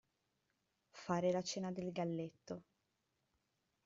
Fare la cena del galletto.